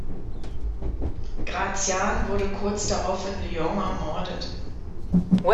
Gratian wurde kurz darauf in Lyon ermordet.